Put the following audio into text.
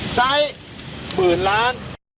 ไซส์หมื่นล้าน